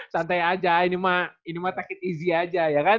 santai aja ini mah sakit easy aja ya kan